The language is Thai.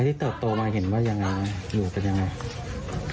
ที่เติบโตมาเห็นว่ายังไงอยู่กันยังไง